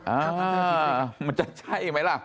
อ้าวมันจะใช่ไหมล่ะ